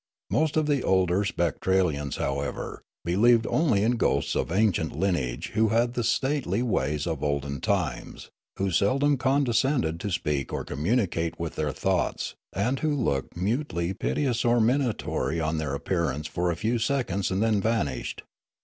Most of the older Spectralians, however, believed only in ghosts of ancient lineage, who had the stately ways of olden times, who seldom condescended to speak or communicate their thoughts, and who looked mutely piteous or minatory on their appearance for a few seconds and then vanished.